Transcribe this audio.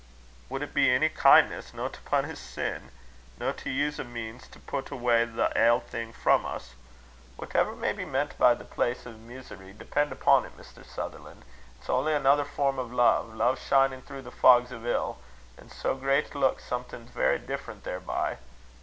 "Would it be ony kin'ness no to punish sin? No to us a' means to pit awa' the ae ill thing frae us? Whatever may be meant by the place o' meesery, depen' upo't, Mr. Sutherlan', it's only anither form o' love, love shinin' through the fogs o' ill, an' sae gart leuk something verra different thereby.